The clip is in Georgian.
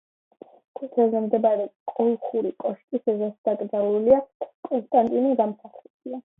ქუჩაზე მდებარე „კოლხური კოშკის“ ეზოში დაკრძალულია კონსტანტინე გამსახურდია.